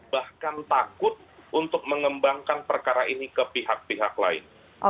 bahkan takut untuk mengembangkan perkara ini ke pihak pihak lain